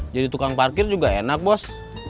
jadi tukang parkir juga enak bos